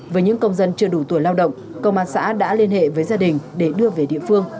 với những công dân chưa đủ tuổi lao động công an xã đã liên hệ với gia đình để đưa về địa phương